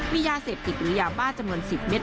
มียาเสพติดหรือยาบ้าจำนวน๑๐เม็ด